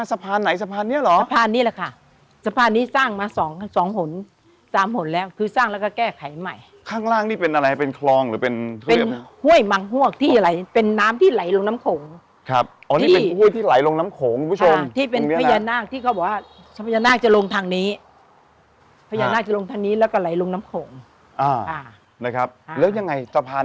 สะพานไหนสะพานรอยศพอันนี้แหละค่ะนี่แหละค่ะนี่แหละค่ะนี่แหละค่ะนี่แหละค่ะนี่แหละค่ะนี่แหละค่ะนี่แหละค่ะนี่แหละค่ะนี่แหละค่ะนี่แหละค่ะนี่แหละค่ะนี่แหละค่ะนี่แหละค่ะนี่แหละค่ะนี่แหละค่ะนี่แหละค่ะ